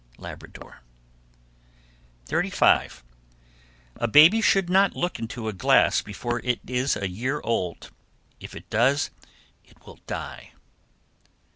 Labrador. 35. A baby should not look into a glass before it is a year old; if it does it will die.